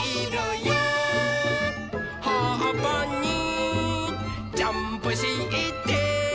「はっぱにジャンプして」